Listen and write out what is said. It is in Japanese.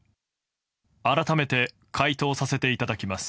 改めて回答させていただきます。